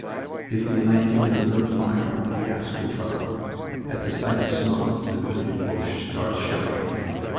If we light even a little fire we ask for trouble. At the sight of smoke the dirty Boche starts shelling again.